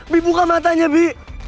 bi buka matanya bi